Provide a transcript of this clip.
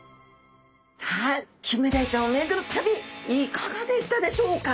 さあキンメダイちゃんを巡る旅いかがでしたでしょうか？